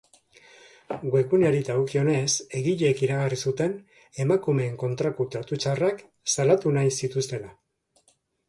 Webguneari dagokionez, egileek iragarri zuten emakumeen kontrako tratu txarrak salatu nahi zituztela.